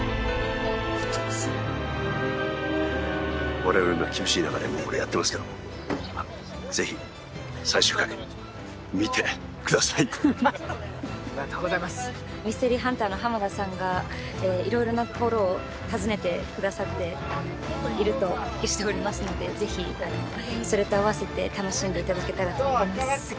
我々も今厳しい中でやってますけどもぜひ最終回見てくださいありがとうございますミステリーハンターの濱田さんが色々なところを訪ねてくださっているとお聞きしておりますのでぜひそれと併せて楽しんでいただけたらと思います